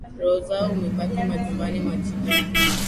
Roho zao umekaba, majumbani wachinjana,